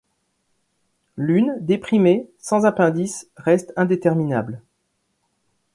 L’une, déprimée, sans appendices, reste indéterminable.